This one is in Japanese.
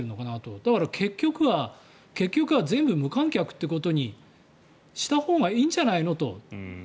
だから結局は全部無観客ということにしたほうがいいんじゃないの？と。